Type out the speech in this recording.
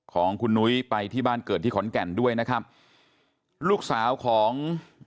ของคุณนุ้ยไปที่บ้านเกิดที่ขอนแก่นด้วยนะครับลูกสาวของ